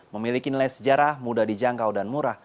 memiliki nilai sejarah mudah dijangkau dan murah